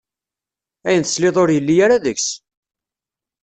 Ayen tesliḍ ur yelli ara deg-s!